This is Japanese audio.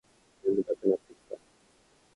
眠たくなってきた